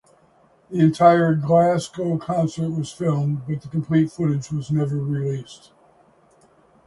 The entire Glasgow concert was filmed but the complete footage has never been released.